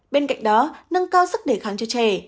bên cạnh đó nâng cao sức đề kháng cho trẻ